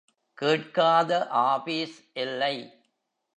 கேட்காத ஆபீஸ் இல்லை.